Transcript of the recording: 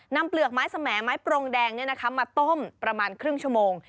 เปลือกไม้สมไม้ปรงแดงมาต้มประมาณครึ่งชั่วโมง